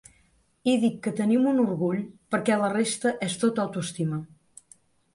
I dic que tenim un orgull perquè la resta és tot autoestima.